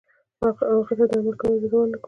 او هغه ته د عمل کولو اجازه ورنکړو.